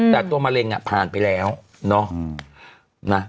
แต่ตัวมะเร็งผ่านไปแล้วเนาะ